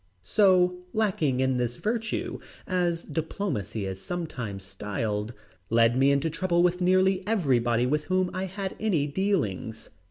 So, lacking in this virtue, as diplomacy is sometimes styled, led me into trouble with nearly everybody with whom I had any dealings.